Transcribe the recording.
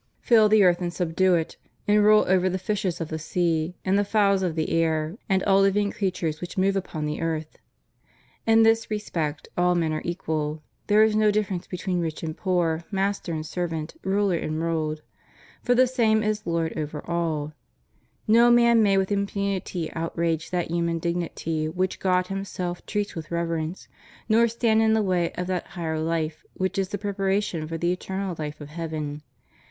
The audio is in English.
Fill the earth and subdue it; and rule over the fishes of the sea, and the fowls cf the air, and all living creatures which move upon the earth} In this respect all men are equal; there is no difference between rich and poor, master and servant, ruler and ruled, for the same is Lord over all} No man may with impunity outrage that human dignity which God Himself treats vrith reverence, nor stand in the way of that higher Hf e which is the prepa ration for the eternal life of heaven.